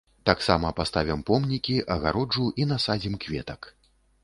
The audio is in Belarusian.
Таксама паставім помнікі, агароджу і насадзім кветак.